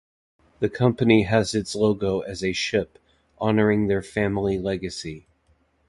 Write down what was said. The company has its logo as a ship, honouring their family legacy.